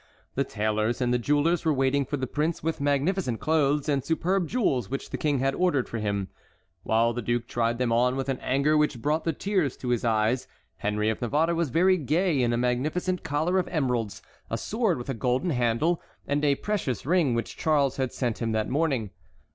The tailors and the jewellers were waiting for the prince with magnificent clothes and superb jewels which the King had ordered for him. While the duke tried them on with an anger which brought the tears to his eyes, Henry of Navarre was very gay in a magnificent collar of emeralds, a sword with a gold handle, and a precious ring which Charles had sent him that morning.